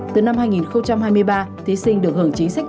từ năm hai nghìn hai mươi ba thí sinh được hưởng chính sách